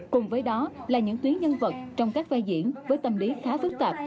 cùng với đó là những tuyến nhân vật trong các vai diễn với tâm lý khá phức tạp